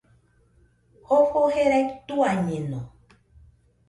Jofo jerai tuañeno